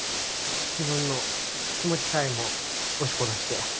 自分の気持ちさえも押し殺して。